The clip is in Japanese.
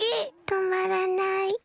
とまらない。